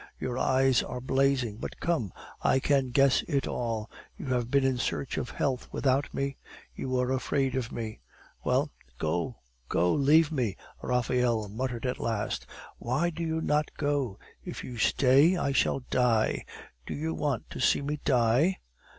Your eyes are blazing But come, I can guess it all. You have been in search of health without me; you were afraid of me well " "Go! go! leave me," Raphael muttered at last. "Why do you not go? If you stay, I shall die. Do you want to see me die?"